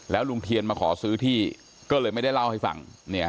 ลุงเทียนมาขอซื้อที่ก็เลยไม่ได้เล่าให้ฟัง